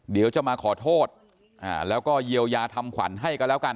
เดี๋ยวจะมาขอโทษแล้วก็เยียวยาทำขวัญให้กันแล้วกัน